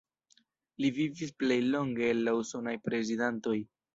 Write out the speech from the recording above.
Li vivis plej longe el la usonaj prezidantoj.